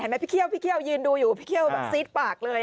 พี่เคี่ยวพี่เคี่ยวยืนดูอยู่พี่เคี่ยวแบบซีดปากเลย